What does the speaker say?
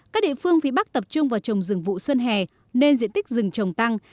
các địa phương phía bắc tập trung vào trồng rừng vụ xuân hè nên diện tích rừng trồng tăng